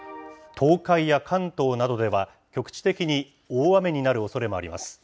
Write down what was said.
東海や関東などでは、局地的に大雨になるおそれもあります。